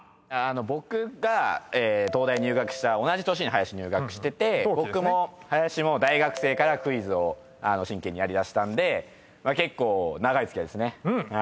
僕が東大入学した同じ年に林入学してて僕も林も大学生からクイズを真剣にやりだしたんで結構長い付き合いですね。